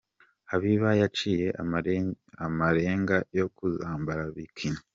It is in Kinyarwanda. Habiba yaciye amarenga yo kuzambara ’Bikini’.